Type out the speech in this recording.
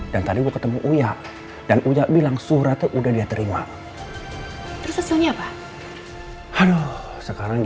dan tadi ketemu ya dan ucap bilang suratnya udah diterima terus punya apa aduh sekarang